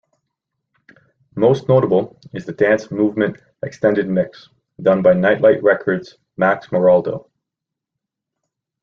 Most notable is the "Dance Movement Extended Mix", done by Nitelite Record's Max Maroldo.